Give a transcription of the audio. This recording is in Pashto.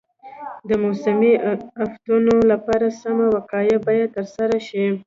د موسمي افتونو لپاره سمه وقایه باید ترسره شي.